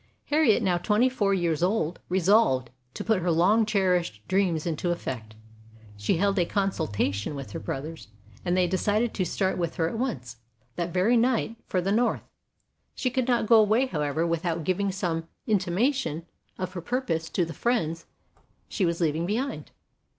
Harriet, now twenty four years old, resolved to put her long cherished dreams into effect. She held a consultation with her brothers and they decided to start with her at once, that very night, for the North. She could not go away, however, without giving some intimation of her pur pose to the friends she was leaving behind.